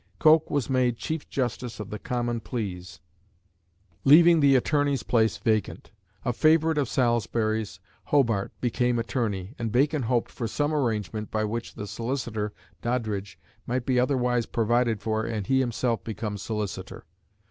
Coke was made Chief Justice of the Common Pleas, leaving the Attorney's place vacant. A favourite of Salisbury's, Hobart, became Attorney, and Bacon hoped for some arrangement by which the Solicitor Doddridge might be otherwise provided for, and he himself become Solicitor.